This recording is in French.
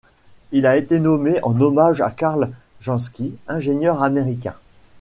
Il a été nommé en hommage à Karl Jansky, ingénieur américain.